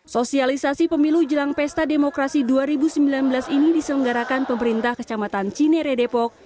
sosialisasi pemilu jelang pesta demokrasi dua ribu sembilan belas ini diselenggarakan pemerintah kecamatan cineredepok